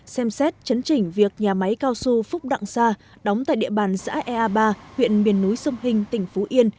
xem xét chấn chỉnh việc nhà máy cao su phúc đặng sa đóng tại địa bàn xã ea ba huyện miền núi sông hình tỉnh phú yên